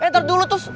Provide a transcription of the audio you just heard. eh ntar dulu tuh